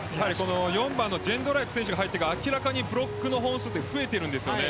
４番のジェンドライク選手が入ってから明らかにブロックの本数が増えています。